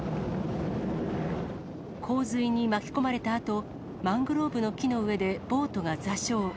洪水に巻き込まれたあと、マングローブの木の上でボートが座礁。